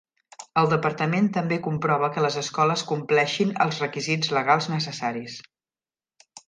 El departament també comprova que les escoles compleixin els requisits legals necessaris.